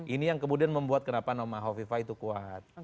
ini yang kemudian membuat kenapa nama hovifah itu kuat